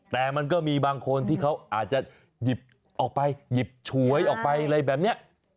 แต่มันก็มีบางคนที่เขาอาจจะหยิบออกไปหยิบฉวยออกไปอะไรแบบนี้